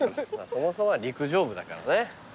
そもそもは陸上部だからね。